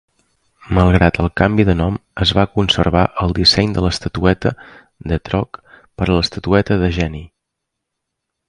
Malgrat el canvi de nom, es va conservar el disseny de l'estatueta d'Etrog per a l'estatueta de Genie.